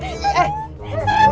itu serem banget